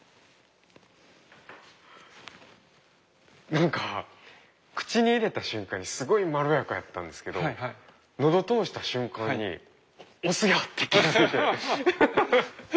何か口に入れた瞬間にすごいまろやかやったんですけど喉通した瞬間に「お酢や！」って気付いて。